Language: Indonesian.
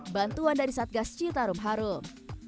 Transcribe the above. bantuan dari satgas citarum harum